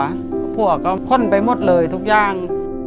กับผัวก็ข้นไปหมดเลยทุกอย่าง